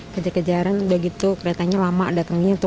kejar kejaran udah gitu keretanya lama datangnya tuh